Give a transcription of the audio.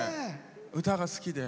歌が好きで？